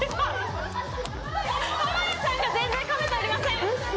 濱家さんが全然噛めておりません。